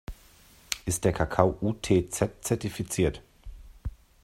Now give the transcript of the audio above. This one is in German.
Ist der Kakao UTZ-zertifiziert?